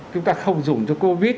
chúng ta không dùng cho covid